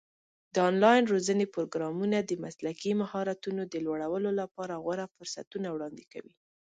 د آنلاین روزنې پروګرامونه د مسلکي مهارتونو د لوړولو لپاره غوره فرصتونه وړاندې کوي.